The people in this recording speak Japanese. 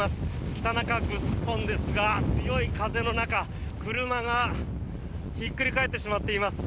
北中城村ですが強い風の中車がひっくり返ってしまっています。